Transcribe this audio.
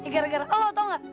gara gara lo tau gak